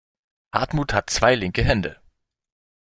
Hartmut hat zwei linke Hände.